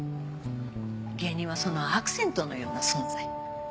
芸人はそのアクセントのような存在。